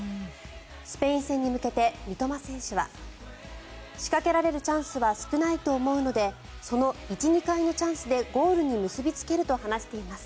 スペイン戦に向けて三笘選手は仕掛けられるチャンスは少ないと思うのでその１２回のチャンスでゴールに結びつけると話しています。